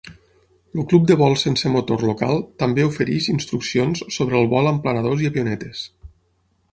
El club de vols sense motor local també ofereix instruccions sobre el vol amb planadors i avionetes.